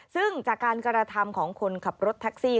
ซึ่งจากการกระทำของคนขับรถแท็กซี่